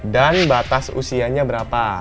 dan batas usianya berapa